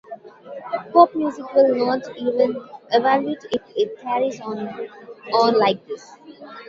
Pop music will not evolve if it carries on like this.